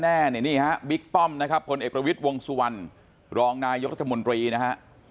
น่าแน่นี่ครับบิ๊กป้อมคนเอกประวิชวงสุวรรณรองนายกรศมลรีนะฮะ